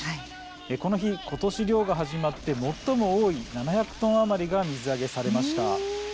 この日は、ことし漁が始まって最も多い７００トン余りが水揚げされました。